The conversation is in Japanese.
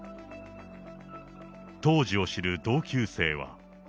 当時を知る同級生は。